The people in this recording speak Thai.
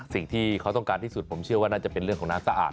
สิ่งที่เขาต้องการที่สุดผมเชื่อว่าน่าจะเป็นเรื่องของน้ำสะอาด